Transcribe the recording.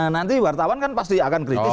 nanti wartawan kan pasti akan kritis